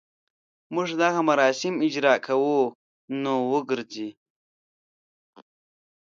موږ دغه مراسم اجراء کوو نو وګرځي.